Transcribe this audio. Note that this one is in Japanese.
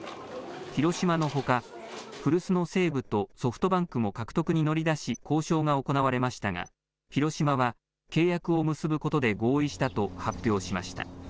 広島のほか、古巣の西武とソフトバンクも獲得に乗り出し、交渉が行われましたが、広島は、契約を結ぶことで合意したと発表しました。